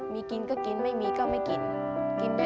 มีกินก็กินไม่มีก็ไม่กิน